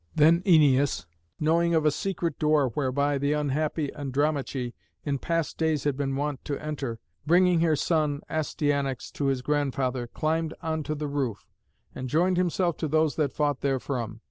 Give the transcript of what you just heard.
Then Æneas, knowing of a secret door whereby the unhappy Andromaché in past days had been wont to enter, bringing her son Astyanax to his grandfather, climbed on to the roof, and joined himself to those that fought therefrom.